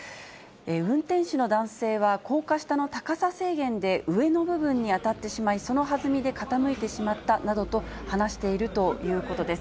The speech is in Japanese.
運転手の男性は高架下の高さ制限で上の部分に当たってしまい、その弾みで傾いてしまったなどと話しているということです。